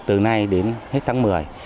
từ nay đến hết tháng một mươi